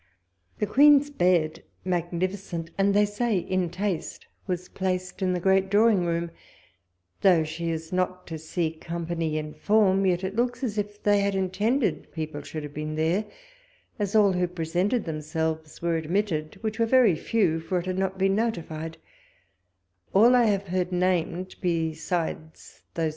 The Queen's bed, magnificent, and they say in taste, was placed in t he great drawing room : though she is not to see company in form, yet it looks as if they had intended people should have been there, as all who presented themselves were ad mitted, which were very few, for it had not been notified ; I suppose to prevent too great a crowd: all I have heard named, besides those walpole's letters.